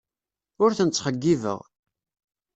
Ur ten-ttxeyyibeɣ.